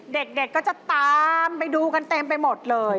เด็กก็จะตามไปดูกันเต็มไปหมดเลย